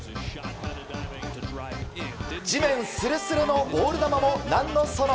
地面すれすれのボール球も何のその。